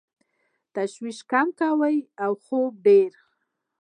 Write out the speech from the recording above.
تشویش کم کوه او خوب ډېر کوه .